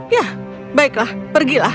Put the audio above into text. ya baiklah pergilah